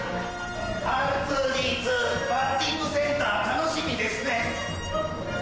Ｒ２−Ｄ２バッティングセンター楽しみですね。